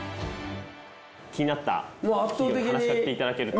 気になった企業に話しかけていただけると。